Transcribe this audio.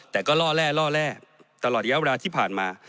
แต่ก็ล่อแร่ตลอดย้ายเวลาที่ผ่านมา